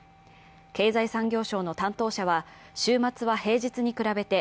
経済産業省の担当者は、週末は平日に比べて